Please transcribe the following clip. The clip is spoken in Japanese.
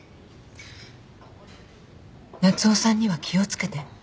夏雄さんには気を付けて。